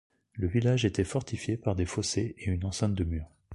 Le village était fortifié par des fossés et une enceinte de mur.